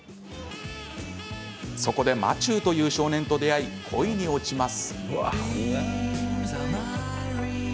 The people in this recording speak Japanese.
そこでマチューという少年と出会い、恋に落ちます。